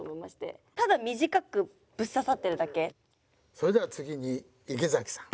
それでは次に池崎さん。